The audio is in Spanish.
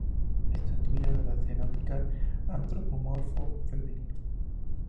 Estatuilla de cerámica antropomorfo femenino.